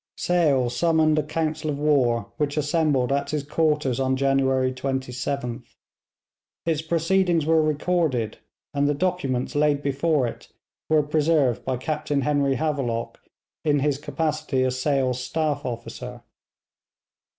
Sale summoned a council of war, which assembled at his quarters on January 27th. Its proceedings were recorded, and the documents laid before it were preserved by Captain Henry Havelock in his capacity as Sale's staff officer.